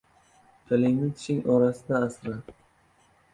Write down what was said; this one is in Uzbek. • Tilingni tishing orasida asra.